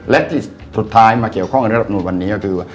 และที่สุดท้ายมาเกี่ยวข้องกับรัฐมนุนวันนี้ก็คือ